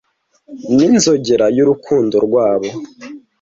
n'inzogera y'urukundo rwabo